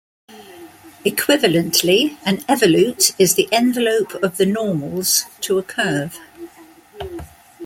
Equivalently, an evolute is the envelope of the normals to a curve.